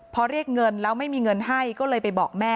พอเรียกเงินแล้วไม่มีเงินให้ก็เลยไปบอกแม่